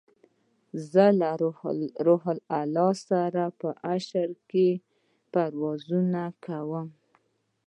زه له روح الله سره په عرش کې پروازونه کوم